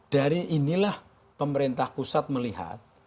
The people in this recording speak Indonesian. dari inilah pemerintah pusat melihat